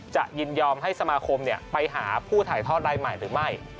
ยินยอมให้สมาคมไปหาผู้ถ่ายทอดรายใหม่หรือไม่